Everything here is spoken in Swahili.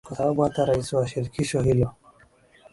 kwa sababu hata rais wa shirikisho hilo